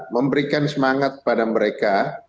memberikan semangat kepada mereka